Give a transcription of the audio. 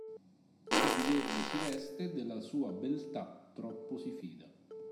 Chi di verde si veste della sua beltà troppo si fida.